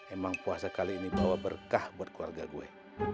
emang puasa kali ini bawa berkah buat keluarga gue